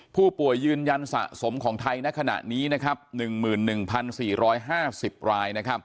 ผู้ป่วยยืนยันสะสมของไทยในขณะนี้นะครับ๑๑๔๕๐ราย